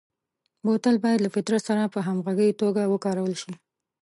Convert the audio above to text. بوتل باید له فطرت سره په همغږي توګه وکارول شي.